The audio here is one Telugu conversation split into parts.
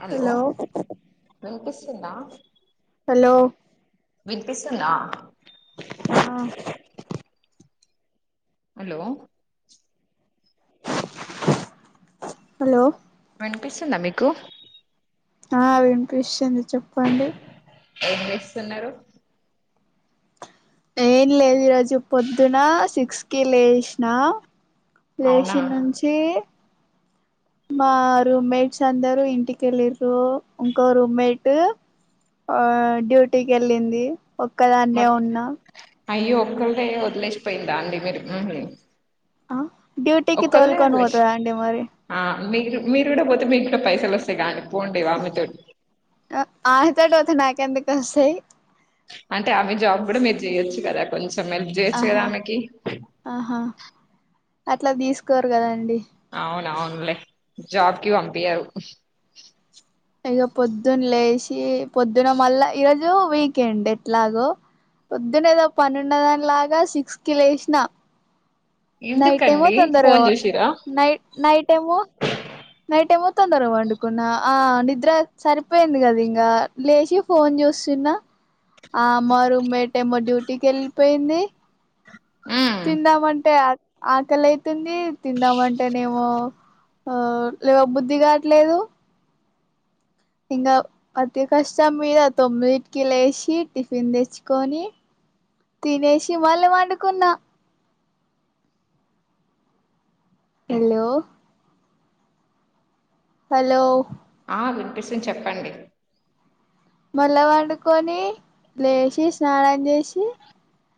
హలో వినిపిస్తుందా హలో వినిపిస్తుందా అవును హలో హలో వినిపిస్తుందా మీకు ఆ వినిపిస్తుంది చెప్పండి ఏం చేస్తున్నారు ఏం లేదు ఈరోజు పొద్దున సిక్స్ కి లేసిన అవునా లేసీ నుంచి మా రూమ్మేట్స్ అందరు ఇంటికెల్లిండ్రు ఇంకో రూమ్మేటు ఆ డ్యూటీకి వెళ్ళింది మ ఒక్కదాన్నే ఉన్నా అయ్యో ఒక్కర్నే వదిలేసిపోయిందా అండి మీరు ఆ డ్యూటీకి ఒక్కళ్ళదే తోల్కొని పోతర వదిలేసి అండి మరి ఆ మీరు మీరు కూడా పోతే మీ కుడా పైసలు వస్తాయి కదా పోండి వాళ్ళతో ఆ ఆలతోటి పొతే నాకెందుకు వస్తాయ్ అంటే ఆమె జాబ్ కూడా మీరు చెయొచ్చు కదా కొంచెం హెల్ప్ చేయొచ్చు కదా ఆహా ఆమెకి ఆహా అట్లా తీసుకోరు కదాండి అవున అవున్లే జాబ్కి పంపింయరు ఇక పొద్దున్న లేషి పొద్దున మళ్ళ ఈరోజు వీకెండ్ ఎట్లాగో పొద్దునే ఏదో పనున్నదాని లాగా సిక్స్ కి లేసినా నైట్ ఏమో ఎందుకండి తొందరగా ఫోన్ చూసిరా నైట్ నైట్ ఏమో నైట్ ఏమో తొందరగా పండుకున్న ఆ నిద్ర సరిపోయింది కదా ఇంకా లేచి ఫోన్ చూస్తున్నా ఆ మా రూమ్ మేట్ ఏమో డ్యూటీకి వెళ్ళిపోయింది ఉమ్ తిందమంటే ఆ ఆకలి అయితుంది తిందామంటేనేమో ఆ లేవ బుద్ధి కావట్లేదు ఇంకా అతి కష్టం మీద తొమ్మిదిటికి లేచి టిఫిన్ తెచ్చుకొని తినేసి మళ్ళ పండుకున్నా హలో హలో ఆ వినిపిస్తుంది చెప్పండి మళ్ళా పండుకొని లేచి స్నానం చేసి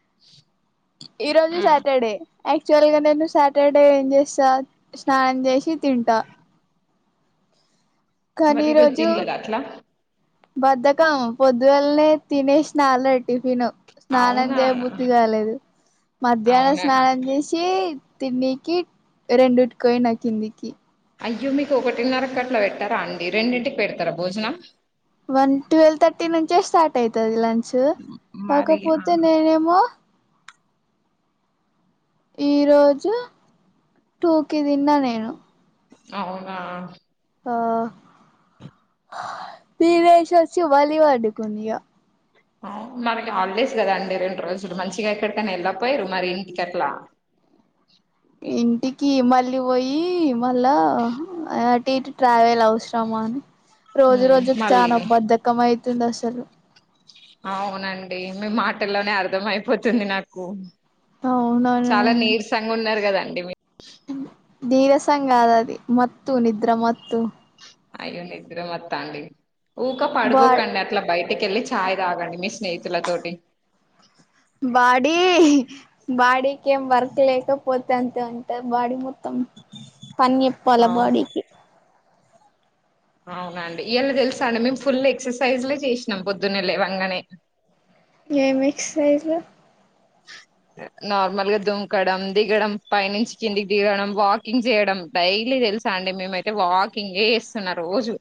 [inaudible] ఈ రోజు ఉమ్ సాటర్డే. యాక్చువల్ గా నేను సాటర్డే ఏం చేస్తా స్నానం చేసి తింటా. కానీ మరి ఈ ఈరోజు రోజు తినలేదా అట్లా బద్దకం పొద్దుగాలనే తినేసినా టిఫిన్. స్నానం అవునా చేయ బుద్ధి కాలేదు. మధ్యాహ్నం అవునా స్నానం చేసి ఏయ్ తినేకి రెండుట్కి పోయినా కిందికి. అయ్యో! మీకు ఒకటిన్నర కట్లా పెట్టారా అండి? రెండింటికి పెడతారా భోజనం. ట్వెల్వ్ థర్టీ నుంచే స్టార్ట్ అవుతుది లంచ్. మరి ఆ, కాకపోతే నేనేమో ఈ రోజు టూకి తిన్నా నేను. అవునా ఆ ఈ రోజు వచ్చి మళ్లీ పడుకున్నా. మనకి హాలిడేస్ కదా అండి రెండు రోజులు. మంచిగా ఎక్కడికైనా వెళ్ళపోయారు మరి ఇంటిక అట్లా ఇంటికి మళ్ళీ పోయి మళ్ళా అటు ఇటు ట్రావెల్ అవుసరమా అని రోజు ఉమ్, రోజు మళ్ళీ చాలా బద్ధకం అయితుంది అసలు. అవునండి మీ మాటల్లోనే అర్థం అయిపోతుంది నాకు. అవునవును చాలా నీరసంగా ఉన్నారు కదండి మీరు నీరసం కాదు అది మత్తు నిద్ర మత్తు. అయ్యో నిద్ర మత్తు అండి ఊరికే బా పడుకున్నా. ఇట్లా బయటకెళ్ళి చాయ్ తాగండి మీ స్నేహితుల తోటి. బాడీ బాడీకేం వర్క లేకపోతే అంతే ఉంటాది. బాడీ మొత్తం పనిచెప్పాల బాడీ కి అవునండి ఇయాల తెలుసా అండి మేము ఫుల్ ఎక్సర్సైజ్లే చేసినాం పొద్దున్నే లేవంగనే. ఏమి ఎక్సర్సైజ్ లు [inaudible] నార్మల్ గా దుంకడం దిగడం పైనుంచి కిందికి దిగడం వాకింగ్ చేయడం డైలీ తెలుసా అండి మేమయితే వాకింగే చేస్తున్నా రోజూ.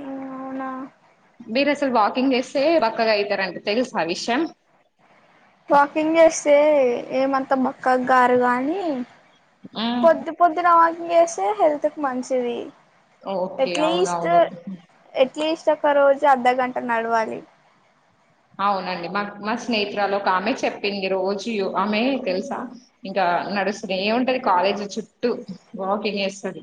అవునా మీరు అసలు వాకింగ్ చేస్తే, బక్కగా అయితారని తెలుసా ఆ విషయం వాకింగ్ చేస్తే ఏమంతా బక్కగ గారు గానీ మ్మ్. పొద్దు పొద్దున వాకింగ్ చేస్తే హెల్త్కి మంచిది. ఓకే, అవునవును. ఎట్లీస్ట్ ఒక రోజు అర్ధగంట నడవాలి. అవునండి. మా మా స్నేహితురాలు ఒక ఆమె చెప్పింది. రోజూ యోగా ఆమె తెలుసా మీకు? ఇంకా నడుస్తునే ఉంటది కాలేజీ చుట్టూ వాకింగ్ చేస్తూనే.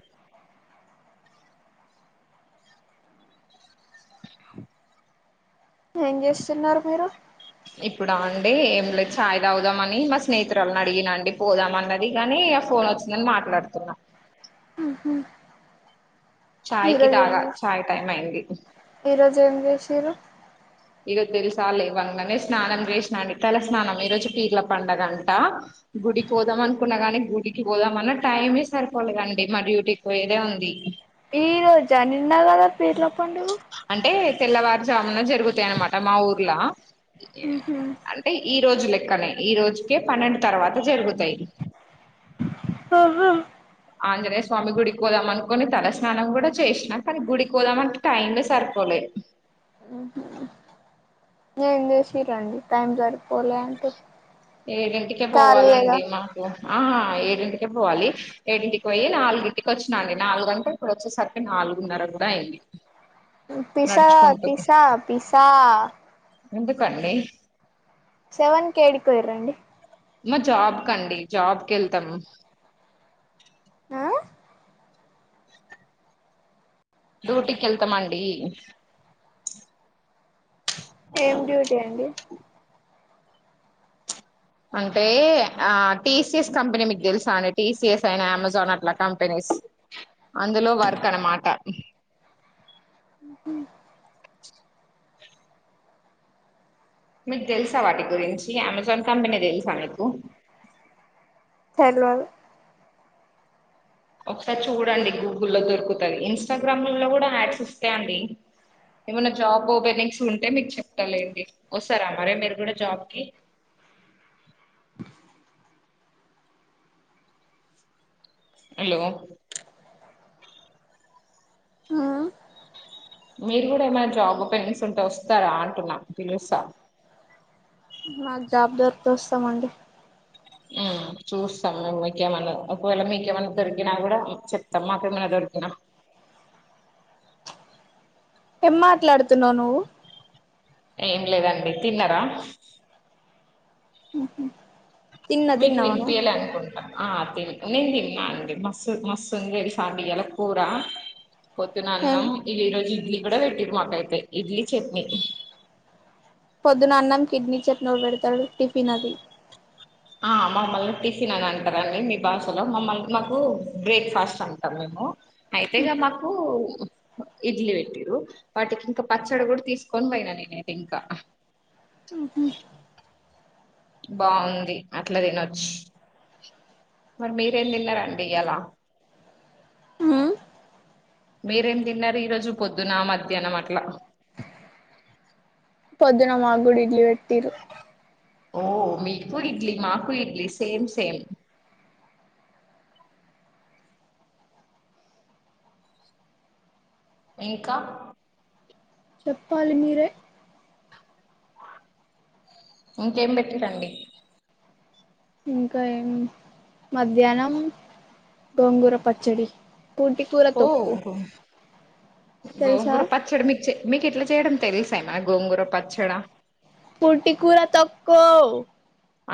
ఏం చేస్తున్నారు మీరు? ఇప్పుడ అండి ఏం లేదు ఛాయ్ తాగుదామని మా స్నేహితురాల్ని అడిగిన ఆన్డి పోదామా అని. కని ఫోన్ వచ్చిందని మాట్లాడుతున్నా మ్ హు చాయ్ కి తాగా, చాయ్ టైం అయింది. ఈరోజు ఏం చేసిర్రు. ఇరోజు తెలుసా లేవంగనే స్నానం చేసినా అండి తల స్నానం ఈరోజు పీర్ల పండగంట. గుడికి పోదాం అనుకున్నా గాని గుడికి పోదాం అన్నా టైమే సరిపోలేదండి. మా డ్యూటీకి పోయేదే ఉంది ఈ రోజా నిన్న కదా పేర్ల పండుగ అంటే తెల్లవారుజామున జరుగుతాయి అన్నమాట మా ఊర్లా ఈ రోజు లెక్కనే ఈ రోజుకే పన్నెండు తర్వాత జరుగుతాయి అవ్వమ్ ఆంజనేయ స్వామి గుడికి పోదాం అనుకుని తలస్నానం కూడా చేసినా కానీ గుడికి పోదామని టైమే సరిపోలే ఏం చేసిండ్రు అండి టైం సరిపోలే అంటే ఏడింటికే పోవాలండి ఇమా ఆహ ఏడింటికే పోవాలి ఏడింటికి పోయి నాలుగింటికి వచ్చిన అండి నాలుగుగంట ఇప్పుడు వచ్చేసరికి నాలుగున్నర కూడా అయింది పిసా నడుచుకుంటూ పిసా పిసా ఎందుకండి సెవెన్ కి ఎడికి పోయిర్రండి మా జాబ్ కండి జాబ్ కి వెళ్తాను ఆ డ్యూటీకి వెళ్తామండి ఏం డ్యూటీ అండి అంటే ఆ టీసిఎస్ కంపెనీ మీకు తెలుసా అండి టీసిఎస్ అయిన అమెజాన్ అట్లా కంపె కంపెనీస్ అందులో వర్క్ అనమాట ఆహ మీకు తెలుసా వాటి గురించి అమెజాన్ కంపెనీ తెలుసా మీకు తెల్వదు ఒకసారి చూడండి గూగుల్లో దొరుకుతాయి ఇన్స్టాగ్రామ్ లో కూడా యాడ్స్ వస్తాయండి ఏమన్నా జాబ్ ఓపెనింగ్స్ ఉంటే మీకు చెప్తలేండి వస్తారా మరే మీరు కూడా జాబ్ కి హలో ఆ మీరు కూడా ఏమన్నా జాబ్ ఓపెనింగ్స్ఉంటే వస్తారా అంటున్నా పిలుస్త నాక్ జాబ్ దొరికితే వస్తామండి మ్మ్ చూస్తాం మేము మీకేమన్నా ఒకవేళ మీకేమన్నా దొరికినా కూడా చెప్తాం మాకేమన్న దొరికినా ఏం మాట్లాడుతున్నావ్ నువ్వు ఏం లేదండి తిన్నరా తిన్న మీకు తిన్నావా నువ్వు వినిపియ్యాలే అనుకుంట ఆ తిన్ నేను తిన్న అండి మస్సు మస్తుంది తెలుసా అండి ఇయ్యాల కూర పొద్దున ఏం అన్నం ఇది ఈ రోజు ఇడ్లీ కూడా పెట్టిర్రు మాకైతే ఇడ్లీ చట్నీ పొద్దున అన్నం కీ ఇడ్లీ చట్నీ ఎవరు పెడతాడు టిఫిన్ అది ఆ మమ్మల్ని టిఫిన్ అని అంటరండి మీ భాషలో మమ్మల్ని మాకు బ్రేక్ఫాస్ట్ అంటాం మేము అయితేగాని మాకు ఇడ్లీ పెట్టిర్రు వాటికి ఇంకా పచ్చడి కూడా తీసుకొని పోయినా నేనయితే ఇంకా ఆహ బాగుంది అట్లా తినొచ్చు మరి మీరేం తిన్నారండి ఇయాల మ్మ్ మీరేం తిన్నారు ఈ రోజు పొద్దున మధ్యాహ్నం అట్ల పొద్దున మాక్కూడా ఇడ్లి పెట్టిర్రు ఓ మీకు ఇడ్లీ మాకు ఇడ్లీ సేమ్ సేమ్ ఇంకా చెప్పాలి మీరే ఇంకేం పెట్టిండ్రి అండి ఇంకా ఏం మధ్యాహ్నం గోంగూర పచ్చడి పూటి కూర ఓ తొక్కు తెలుసా గోంగూర పచ్చడి మీకు చే మీకు ఇట్లా చేయడం తెలుస ఏమైనా గోంగూర పచ్చడా కుంటి కూర తొక్యూ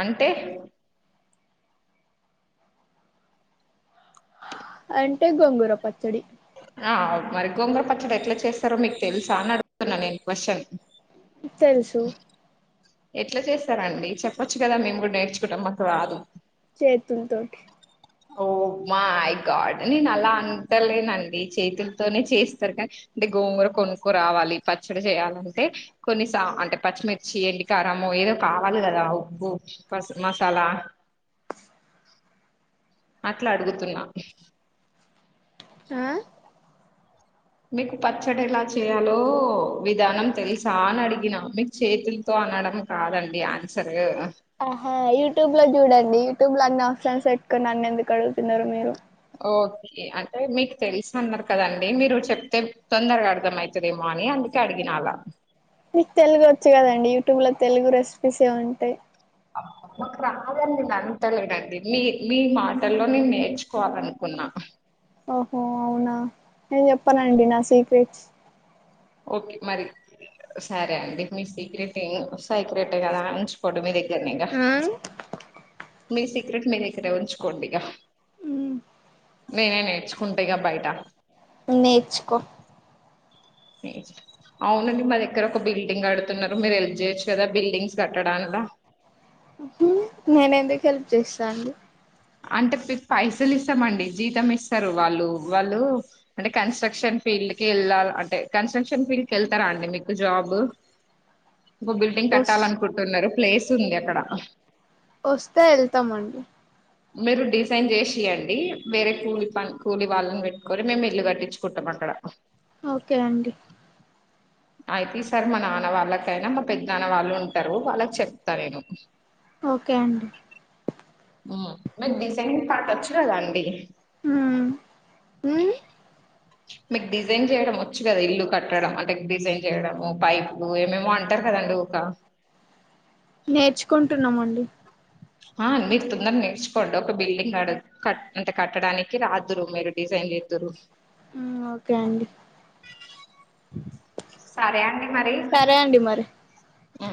అంటే అంటే గోంగూర పచ్చడి ఆ మరి గోంగుర పచ్చడి ఎట్లా చేస్తారో మీకు తెలుసా అని అడుతున్న నేను క్వశ్చన్ తెలుసు ఎట్లా చేస్తరండి చెప్పొచ్చు కదా మేము కూడా నేర్చుకుంటాం మాకు రాదు చేతుల్తోటి ఓ మై గాడ్ నేను అలా అంటలేనండి చేతులతోనే చేస్తరు కానీ అంటే గోంగూర కొనుక్కు రావాలి పచ్చడి చేయాలంటే కొన్నిస అంటే పచ్చిమిర్చి ఎండికారంము ఏదో కావాలి కదా ఉప్పు పస్ మసాలా అట్లడుగుతున్నా ఆ మీకు పచ్చడి ఎలా చేయాలో విధానం తెలుసా అని అడిగిన మీక్ చేతులతో అనడం కాదండి ఆన్సర్ ఆహా యూట్యూబ్ లో చూడండి యూట్యూబ్ లో అన్ని ఆప్షన్స్ పెట్టుకుని నన్నెందుకడుగుతున్నరు మీరు ఓ కే అంటే మీకు తెలుసు అన్నారు కదండి మీరు చెప్తే తొందరగా అర్థం అయితదేమో అని అందు కడిగినాలా మీకు తెలుగు వచ్చు కదండి యూట్యూబ్లో తెలుగు రెసిపీస్ ఏ ఉంటయి అందరు మాకు రాదని నేను అంటలేనండి మీ మీ మాటల్లో నేను నేర్చుకోవాలనుకున్నా ఓహో అవునా నేను చెప్పనండి నా సీక్రెట్స్ ఓకే మరి సరే అండి మీ సీక్రెట్ సీక్రెట్ కదా ఉంచుకోండి మీ దగ్గర దగ్గర్నైగా మీ సీక్రెట్ మీ దగ్గర ఉంచుకోండి ఇగా నేనే నేర్చుకుంట ఇగ బయట నేర్చుకో ఏ అవునండి మా దగ్గర ఒక బిల్డింగ్ కడుతున్నరు మీరు హెల్ప్ చేయొచ్చు కదా బిల్డింగ్స్ కట్టడంల నేను ఎందుకు హెల్ప్చేస్తా అండి అంటే పైసలు ఇస్తామండి జీతం ఇస్తారు వాళ్ళు వాళ్ళు అంటే కన్స్ట్రక్షన్ ఫీల్డ్ కి వెళ్ళాలి అంటే కన్స్ట్రక్షన్ ఫీల్డ్ కి వెళ్తారా అండి మీకు జాబ్ [inaudible] ఇంకో బిల్డింగ్ వస్ కట్టాలనుకుంటున్నారు ప్లేస్ ఉంది అక్కడ ఓస్తే వెళ్తామండి మీరు డిజైన్ చేసియండి వేరే కూలి ప కూలి వాళ్ళని పెట్టుకొని మేము ఇల్లు కట్టించుకుంటాం అక్కడ ఓకే అండి అయితే సార్ మా నాన్న వాళ్ళకైనా మా పెద్ద నాన్న వాళ్ళు ఉంటరు వాళ్ళకి చెప్తా నేను ఓకే అండి ఓ మక్ డిజైనింగ్ పటొచ్చు కదా అండి ఉమ్ ఊ మీకు డిజైన్ చేయడం వచ్చు కదా ఇల్లు కట్టడం అంటే డిజైన్ చేయడము పైపులు ఏమేమో అంటారు కదండి ఊక నేర్చుకుంటున్నమండి ఆ మీరు తొందర నేర్చుకోండి ఒక బిల్డింగ్డ కట్ అంటే కట్టడానికి రాదురు మీరు డిజైన్ బ ఓకే అండి సరే అండి మరి సరే అండి మరి ఉ